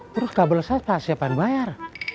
terus kabel saya tak siap pak bayar